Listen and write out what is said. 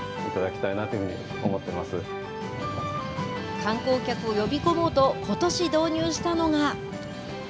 観光客を呼び込もうと、ことし導入したのが。